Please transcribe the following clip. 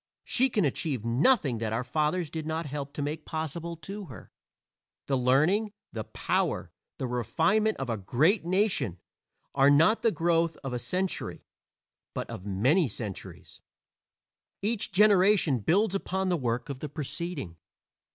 She can achieve nothing that our fathers did not help to make possible to her. The learning, the power, the refinement of a great nation, are not the growth of a century, but of many centuries; each generation builds upon the work of the preceding.